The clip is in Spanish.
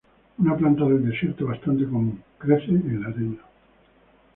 Una planta del desierto bastante común, crece en la arena.